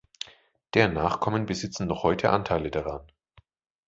Deren Nachkommen besitzen noch heute Anteile daran.